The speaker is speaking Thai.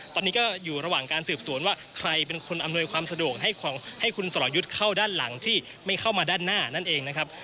ตอนนี้ก็อยู่ระหว่างการสืบสวนว่าใครเป็นคนอำนวยความสะดวกให้คุณสรยุทธ์เข้าด้านหลังที่ไม่เข้ามาด้านหน้านั่นเองนะครับ